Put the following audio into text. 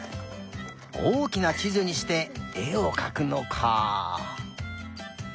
おおきなちずにしてえをかくのか。